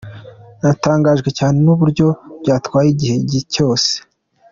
Natangajwe cyane n’uburyo byatwaye iki gihe cyose.